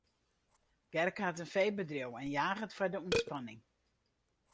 Gerke hat in feebedriuw en jaget foar de ûntspanning.